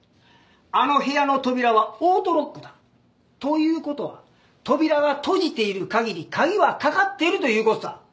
あの部屋の扉はオートロックだ。という事は扉が閉じている限り鍵はかかっているという事だ。